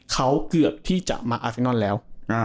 เขาเกือบที่จะมาอาฟรินอนแล้ว